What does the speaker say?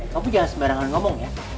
kamu jangan sembarangan ngomong ya